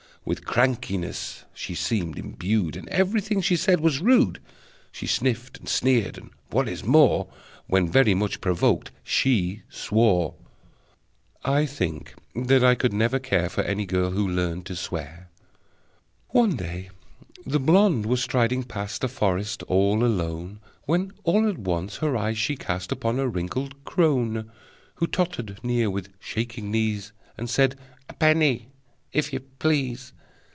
With crankiness she seemed imbued, And everything she said was rude: She sniffed, and sneered, and, what is more, When very much provoked, she swore! (I think that I could never care For any girl who'd learned to swear!) One day the blonde was striding past A forest, all alone, When all at once her eyes she cast Upon a wrinkled crone, Who tottered near with shaking knees, And said: "A penny, if you please!"